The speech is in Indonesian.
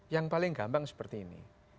yang paling gampang seperti ini